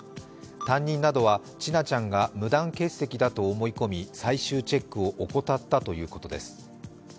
担任などは千奈ちゃんが無断欠席だと思い込み最終チェックを怠ったということです。